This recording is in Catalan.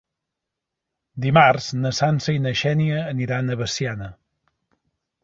Dimarts na Sança i na Xènia aniran a Veciana.